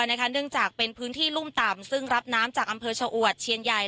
เนื่องจากเป็นพื้นที่รุ่มต่ำซึ่งรับน้ำจากอำเภอชะอวดเชียนใหญ่